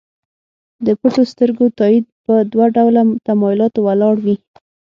د پټو سترګو تایید په دوه ډوله تمایلاتو ولاړ وي.